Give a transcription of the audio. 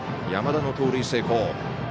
山田の盗塁成功。